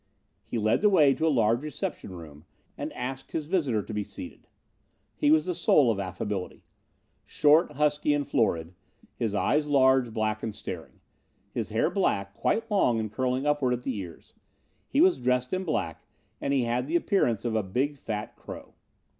He led the way to a large reception room and asked his visitor to be seated. He was the soul of affability. Short, husky and florid. His eyes large, black and staring. His hair black, quite long and curling upward at the ears. He was dressed in black, and he had the appearance of a big, fat crow.